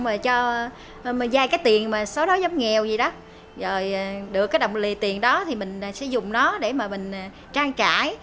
mà cho dài cái tiền mà số đó giảm nghèo gì đó rồi được cái đồng lề tiền đó thì mình sẽ dùng nó để mà mình trang trải